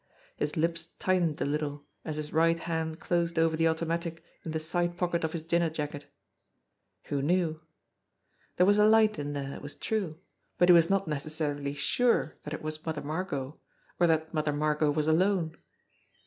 His lips tightened a little, as his right hand closed over the automatic in the side pocket of his dinner jacket. Who knew ! There was a light in there, it was true ; but he was not necessarily sure that it was Mother Margot or that Mother Margot was alone.